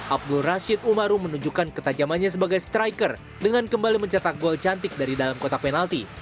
abdul rashid umarum menunjukkan ketajamannya sebagai striker dengan kembali mencetak gol cantik dari dalam kotak penalti